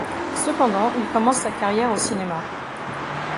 Cependant, il commence sa carrière au cinéma.